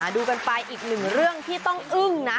ดูกันไปอีกหนึ่งเรื่องที่ต้องอึ้งนะ